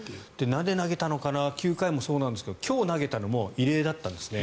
なんで投げたのか９回もそうですが今日投げたのも異例だったんですね。